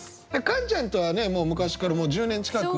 カンちゃんとはねもう昔からもう１０年近く。